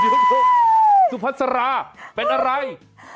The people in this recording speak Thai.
เดี๋ยวซูภัทสลาะเป็นอะไร